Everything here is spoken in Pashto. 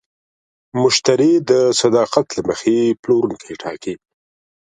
مشتری د صداقت له مخې پلورونکی ټاکي.